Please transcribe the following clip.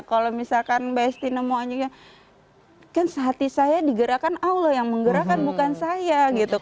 kalau misalkan mbak hesti nemu anjingnya kan sehati saya digerakkan allah yang menggerakkan bukan saya gitu